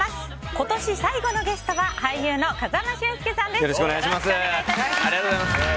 今年最後のゲストは俳優の風間俊介さんです。